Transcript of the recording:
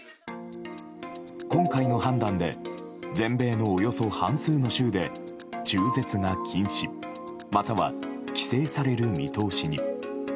今回の判断で全米のおよそ半数の州で中絶が禁止または規制される見通しに。